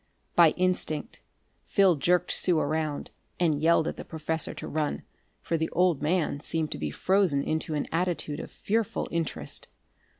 By instinct Phil jerked Sue around and yelled at the professor to run, for the old man seemed to be frozen into an attitude of fearful interest.